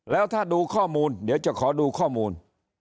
แล้วถ้าดูข้อมูลเดี๋ยวจะขอดูข้อมูล